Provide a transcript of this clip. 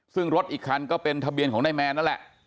ซึ่งรถอีกคันก็เป็นทะเบียนของนายแมนนั่นแหละ